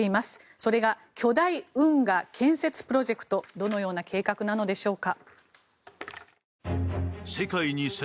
それが巨大運河建設プロジェクトどのような計画なのでしょうか。